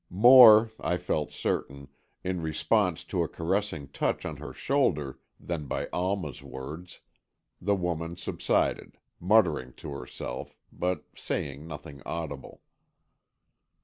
More, I felt certain, in response to a caressing touch on her shoulder than by Alma's words, the woman subsided, muttering to herself, but saying nothing audible.